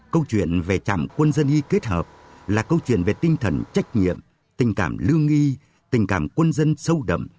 câu chuyện về trạm quân dân y kết hợp là câu chuyện về tinh thần trách nhiệm tình cảm lương nghi tình cảm quân dân sâu đậm